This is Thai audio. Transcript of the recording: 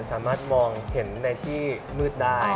สามารถมองเห็นในที่มืดได้